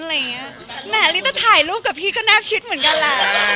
แหมลิต้าถ่ายรูปกับพี่ก็น่าชิดเหมือนกันแหละ